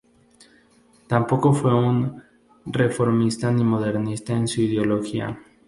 Tampoco fue un reformista ni modernista en su ideología.